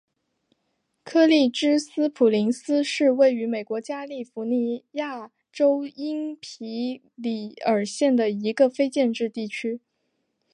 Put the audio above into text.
柯立芝斯普林斯是位于美国加利福尼亚州因皮里尔县的一个非建制地区。